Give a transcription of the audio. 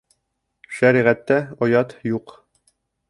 Шәриғәттә оят юҡ.